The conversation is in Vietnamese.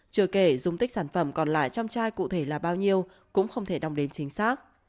chưa kể dung tích sản phẩm còn lại trong chai cụ thể là bao nhiêu cũng không thể đong đếm chính xác